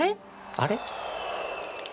あれ？